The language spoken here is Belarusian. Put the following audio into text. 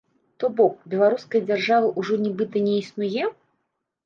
То бок, беларускай дзяржавы ўжо нібыта не існуе?